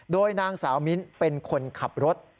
โดยนางสาวมิ้นเป็นคนขับรถ